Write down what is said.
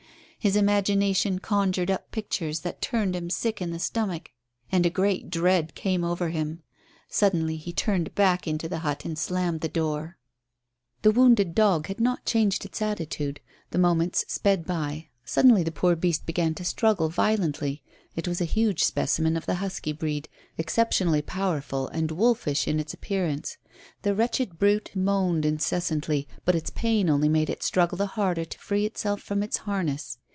His imagination conjured up pictures that turned him sick in the stomach, and a great dread came over him. Suddenly he turned back into the hut and slammed the door. The wounded dog had not changed its attitude. The moments sped by. Suddenly the poor beast began to struggle violently. It was a huge specimen of the husky breed, exceptionally powerful and wolfish in its appearance. The wretched brute moaned incessantly, but its pain only made it struggle the harder to free itself from its harness.